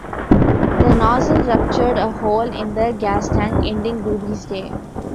The nozzle ruptured a hole in the gas tank, ending Ruby's day.